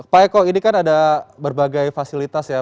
pak eko ini kan ada berbagai fasilitas ya